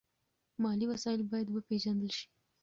مالي وسایل باید وپیژندل شي.